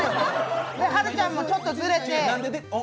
はるちゃんも、ちょっとずれて。